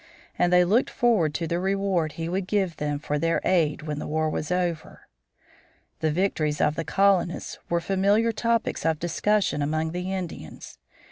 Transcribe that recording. And they looked forward to the reward he would give them for their aid when the war was over. The victories of the colonists were familiar topics of discussion among the Indians.